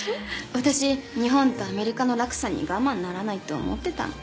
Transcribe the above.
私日本とアメリカの落差に我慢ならないって思ってたの。